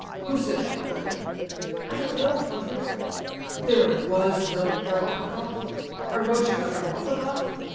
"Who said that, Colia?" "I don't know, father." "There was no Eropegoff? Eroshka Eropegoff?"